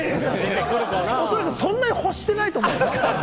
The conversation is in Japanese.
おそらくそんなに欲してないと思うよ。